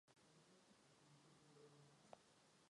Předmětem kritiky byla také údajně nízká cena.